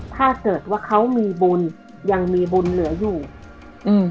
ถ้าเกิดว่าเขามีบุญยังมีบุญเหลืออยู่อืม